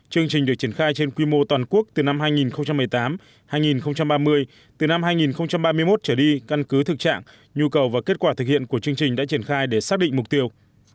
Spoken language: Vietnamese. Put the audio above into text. chương trình được triển khai trên quy mô toàn quốc từ năm hai nghìn một mươi tám hai nghìn ba mươi từ năm hai nghìn ba mươi một trở đi căn cứ thực trạng nhu cầu và kết quả thực hiện của chương trình đã triển khai để xác định mục tiêu